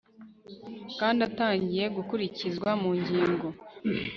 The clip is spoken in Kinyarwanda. kandi atangiye gukurikizwa mu ngingo